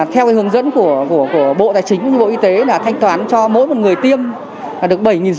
theo hướng dẫn của bộ tài chính và bộ y tế là thanh toán cho mỗi người tiêm được bảy năm trăm linh